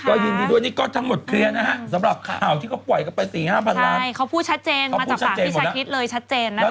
ก็ยินดีด้วยนี่ก็ทั้งหมดเคลียร์นะฮะสำหรับข่าวที่เขาปล่อยกันไปสี่ห้าพันล้านใช่เขาพูดชัดเจนมาจากปากพี่ชาคริสเลยชัดเจนนะคะ